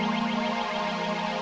yuk nanti gue bayar